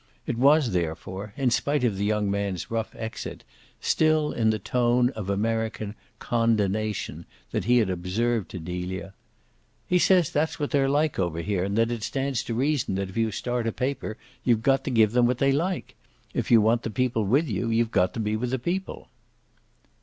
It was therefore, in spite of the young man's rough exit, still in the tone of American condonation that he had observed to Delia: "He says that's what they like over there and that it stands to reason that if you start a paper you've got to give them what they like. If you want the people with you, you've got to be with the people."